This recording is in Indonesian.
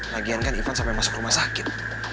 lagian kan ivan sampai masuk rumah sakit